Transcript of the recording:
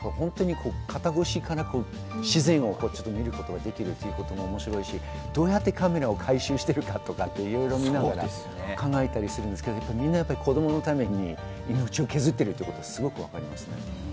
肩越しから自然を見ることができるということも面白いし、どうやってカメラを回収してくるかっていうのも考えたりするんですけど、みんな子供のために命を削っているっていうことがすごくわかりますね。